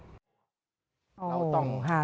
เราต้อง๕